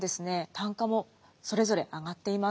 単価もそれぞれ上がっています。